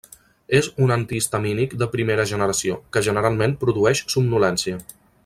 És un antihistamínic de primera generació, que generalment produeix somnolència.